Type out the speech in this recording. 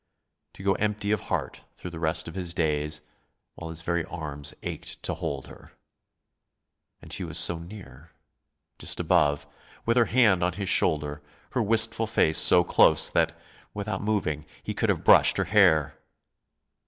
To go empty of heart through the rest of his days, while his very arms ached to hold her! And she was so near just above, with her hand on his shoulder, her wistful face so close that, without moving, he could have brushed her hair.